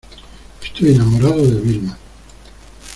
estoy enamorado de Vilma.